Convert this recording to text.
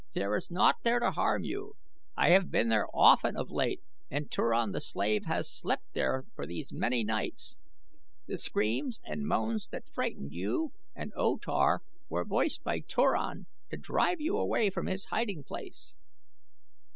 "There is naught there to harm you. I have been there often of late and Turan the slave has slept there for these many nights. The screams and moans that frightened you and O Tar were voiced by Turan to drive you away from his hiding place."